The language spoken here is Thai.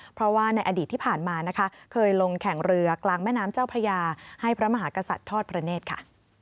เพราะว่าในอดีตที่ผ่านมานะคะเคยลงแข่งเรือกลางแม่น้ำเจ้าพระยาให้พระมหากษัตริย์ทอดพระเนธค่ะ